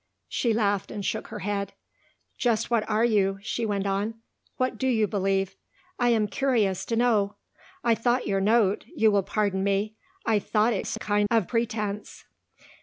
She laughed and shook her head. "Just what are you?" she went on. "What do you believe? I am curious to know. I thought your note you will pardon me I thought it a kind of pretence."